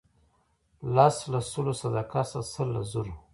لس له سلو صدقه شه سل له زرو.